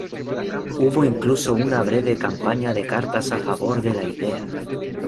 Hubo incluso una breve campaña de cartas a favor de la idea.